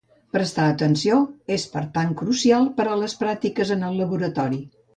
Prestar atenció, és per tant crucial, per a les pràctiques en el laboratori..